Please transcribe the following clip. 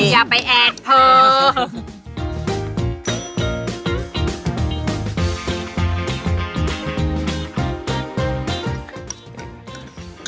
อย่าไปแอดเพิ่ม